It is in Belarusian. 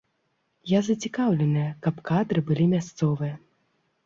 Я зацікаўленая, каб кадры былі мясцовыя.